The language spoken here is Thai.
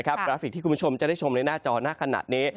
กราฟิกที่คุณผู้ชมจะได้ชมในหน้าจอหน้าขนาดนี้